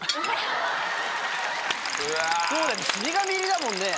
そうだよね死神入りだもんね。